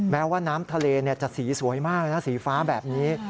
แม้ว่าน้ำทะเลจะสีสวยมากเลยนะสีฟ้าแบบนี้